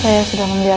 itu kan gue